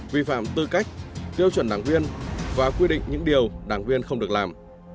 vi phạm tư cách tiêu chuẩn đảng viên và quy định những điều đảng viên không được làm